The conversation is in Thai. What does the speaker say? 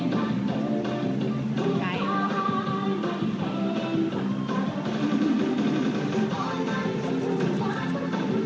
ตรงตรงตรงตรงตรงตรง